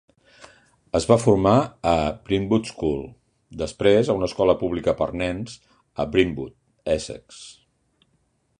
Es va formar a Brentwood School, després a una escola pública per nens a Brentwood, Essex.